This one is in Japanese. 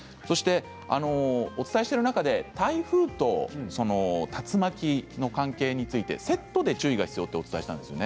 お伝えしている中で台風と竜巻の関係についてセットで注意が必要とお伝えしたんですよね。